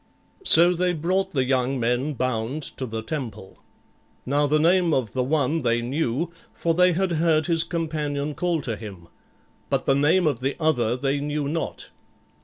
So they brought the young men bound to the temple. Now the name of the one they knew, for they had heard his companion call to him, but the name of the other they knew not.